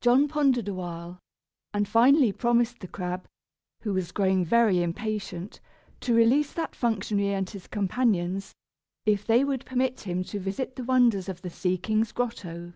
John pondered awhile, and finally promised the crab, who was growing very impatient, to release that functionary and his companions, if they would permit him to visit the wonders of the sea king's grotto.